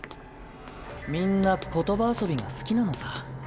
みんな言葉遊びが好きなのさ。